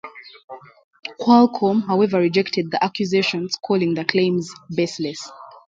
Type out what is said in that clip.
Qualcomm however rejected the accusations, calling the claims "baseless".